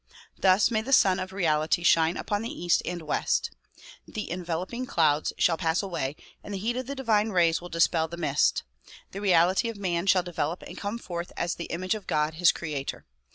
Thus may the Sun of Reality shine upon the east and west. The enveloping clouds shall pass away and the heat of the divine rays will dispel the mist. The reality of man shall develop and come forth as the image of God his creator.